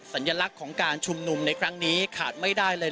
สัญลักษณ์ของการชุมนุมในครั้งนี้ขาดไม่ได้เลย